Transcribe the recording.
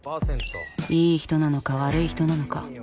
いい人なのか悪い人なのか